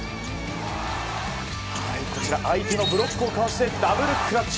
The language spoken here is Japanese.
相手のブロックをかわしてダブルクラッチ。